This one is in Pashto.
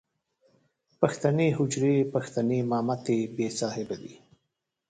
پښتنې حجرې، پښتنې مامتې بې صاحبه دي.